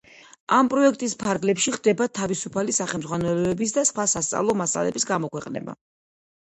ამ პროექტის ფარგლებში ხდება თავისუფალი სახელმძღვანელოების და სხვა სასწავლო მასალების გამოქვეყნება.